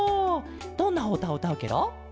どんなおうたをうたうケロ？